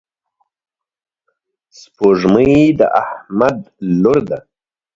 سپوږمۍ د احمد لور ده.